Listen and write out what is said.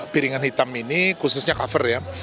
piringan hitam ini khususnya cover ya